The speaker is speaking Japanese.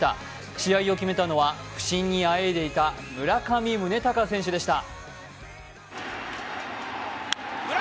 試合を決めたのは、不振にあえいでいた村上宗隆選手でした。